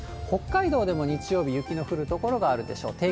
北海道でも日曜日、雪の降る所があるでしょう。